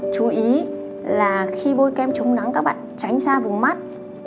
chú ý là khi bôi kem chống nắng các bạn tránh xa vùng mắt